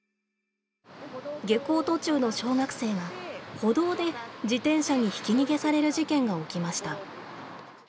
下校途中の小学生が歩道で自転車にひき逃げされる事件が起きました。